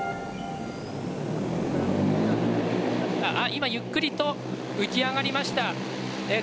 今、ゆっくりと浮き上がりました。